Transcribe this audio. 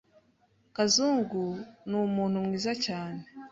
Kazungu numuntu mwiza cyane.